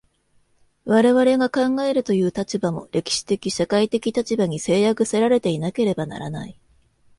我々が考えるという立場も、歴史的社会的立場に制約せられていなければならない。